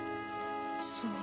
そう。